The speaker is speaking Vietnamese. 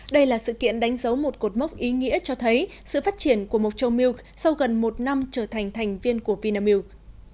đây là sự kiện đánh dấu một cột mốc ý nghĩa cho thấy sự phát triển của mộc châu milk sau gần một năm trở thành thành viên của vinamilk